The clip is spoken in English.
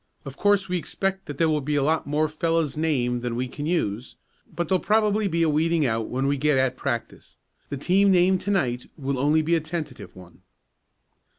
Of course we expect that there will be a lot more fellows named than we can use, but there'll probably be a weeding out when we get at practice. The team named to night will only be a tentative one."